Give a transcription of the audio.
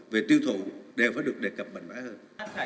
về tiêu thụ đều phải được đề cập mạnh mẽ hơn